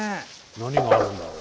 何があるんだろう？